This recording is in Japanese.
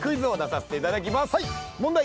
問題！